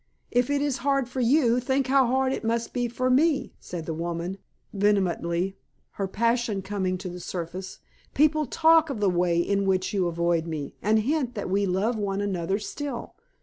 "If it is hard for you, think how hard it must be for me," said the woman vehemently, her passion coming to the surface. "People talk of the way in which you avoid me, and hint that we love one another still."